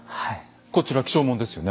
こちら起請文ですよね。